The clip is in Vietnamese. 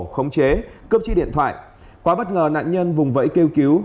khống chế cướp chiếc điện thoại quá bất ngờ nạn nhân vùng vẫy kêu cứu